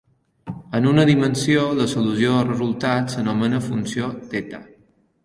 En una dimensió, la solució resultat s'anomena funció theta.